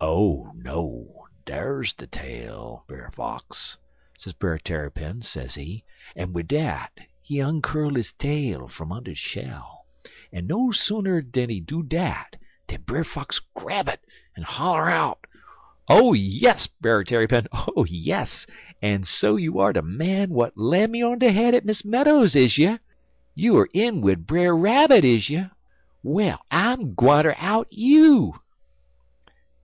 "'Oh, no, dar's de tail, Brer Fox,' sez Brer Tarrypin, sezee, en wid dat he oncurl his tail fum under de shell, en no sooner did he do dat dan Brer Fox grab it, en holler out: "'Oh, yes, Brer Tarrypin! Oh, yes! En so you er de man w'at lam me on de head at Miss Meadows's is you? You er in wid Brer Rabbit, is you? Well, I'm gwineter out you.'